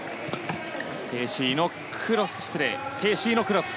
テイ・シイのクロス。